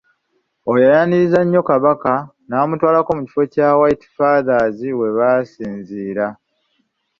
Oyo yayaniriza nnyo Kabaka n'amutwalako mu kifo kya White Fathers we basinziira.